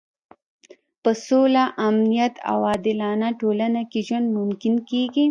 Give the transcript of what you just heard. په سوله، امنیت او عادلانه ټولنه کې ژوند ممکن کېږي.